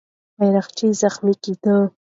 بیرغچی زخمي کېده.